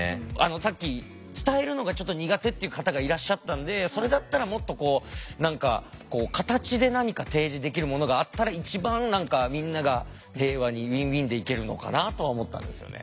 さっき伝えるのがちょっと苦手って方がいらっしゃったのでそれだったらもっとこう何か形で何か提示できるものがあったら一番みんなが平和にウィンウィンでいけるのかなとは思ったんですよね。